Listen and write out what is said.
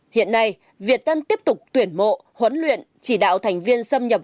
hiện nay việt tân tiếp tục tuyển mộ huấn luyện chỉ đạo thành viên xâm nhập